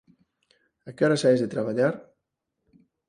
A que hora saes de traballar?